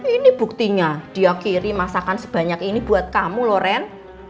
ini buktinya dia kiri masakan sebanyak ini buat kamu loh ren